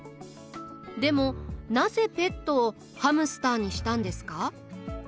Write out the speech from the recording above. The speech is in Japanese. でもなぜペットをハムスターにしたんですか？